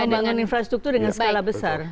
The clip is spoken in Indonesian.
pembangunan infrastruktur dengan skala besar